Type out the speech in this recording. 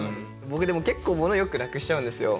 僕でも結構物をよくなくしちゃうんですよ。